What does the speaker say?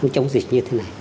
trong dịch như thế này